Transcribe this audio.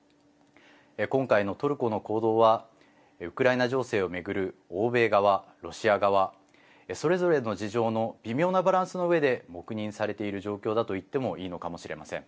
今回のトルコの行動はウクライナ情勢を巡る欧米側、ロシア側それぞれの事情の微妙なバランスの上で黙認されている状況だと言ってもいいのかもしれません。